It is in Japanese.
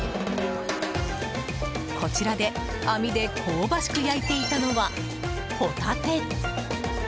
こちらで網で香ばしく焼いていたのはホタテ。